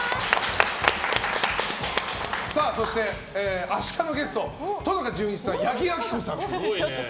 そして、明日のゲスト登坂淳一さん、八木亜希子さんと。